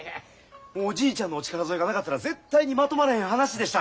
おじいちゃんのお力添えがなかったら絶対にまとまれへん話でした。